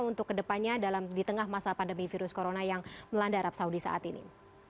untuk kedepannya di tengah masa pandemi virus corona yang melanda arab saudi saat ini